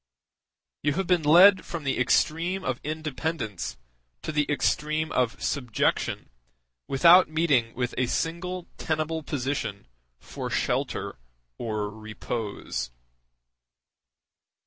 You have been led from the extreme of independence to the extreme of subjection without meeting with a single tenable position for shelter or repose.